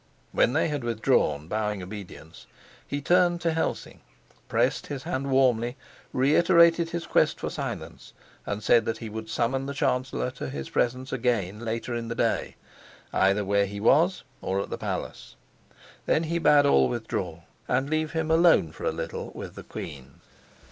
When they had withdrawn, bowing obedience, he turned to Helsing, pressed his hand warmly, reiterated his request for silence, and said that he would summon the chancellor to his presence again later in the day, either where he was or at the palace. Then he bade all withdraw and leave him alone for a little with the queen.